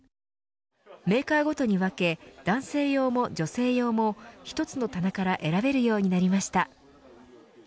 メーカーごとに分け男性用も女性用も一つの棚から選べるようになりました。